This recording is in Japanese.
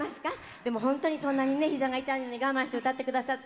でも本当にそんなにひざが痛いのに我慢して歌ってくださって。